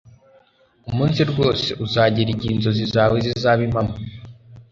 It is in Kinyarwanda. Umunsi rwose uzagera igihe inzozi zawe zizaba impamo